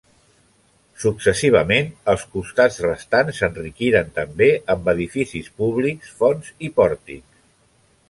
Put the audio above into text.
Successivament, els costats restants s'enriquiren també amb edificis públics, fonts i pòrtics.